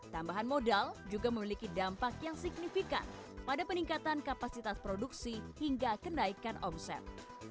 tambahan modal juga memiliki dampak yang signifikan pada peningkatan kapasitas produksi hingga kenaikan omset